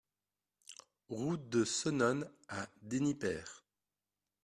Route de Senones à Denipaire